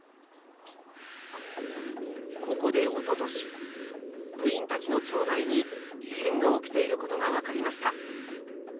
ここでおととし部員たちの腸内に異変が起きていることが分かりました。